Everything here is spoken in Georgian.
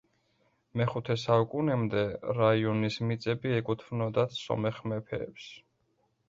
მეხუთე საუკუნემდე რაიონის მიწები ეკუთვნოდათ სომეხ მეფეებს.